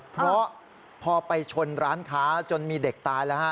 เพราะพอไปชนร้านค้าจนมีเด็กตายแล้วฮะ